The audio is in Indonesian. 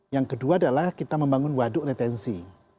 yang kedua adalah kita membangun waduk retensi